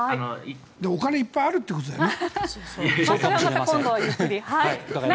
お金がいっぱいあるということだよね。